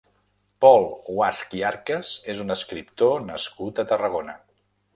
Pol Guasch i Arcas és un escriptor nascut a Tarragona.